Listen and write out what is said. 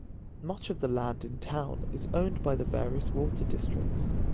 Much of the land in town is owned by the various water districts.